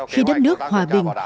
khi đất nước hòa bình